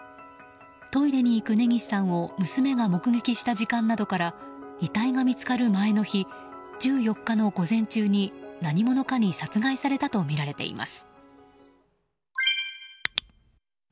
トイレに行く根岸さんを娘が目撃した時間などから遺体が見つかる前の日１４日の午前中に何者かに殺害されたとみられています。